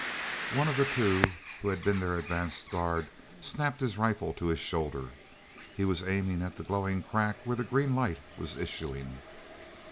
ne of the two who had been their advance guard snapped his rifle to his shoulder. He was aiming at the glowing crack where the green light was issuing.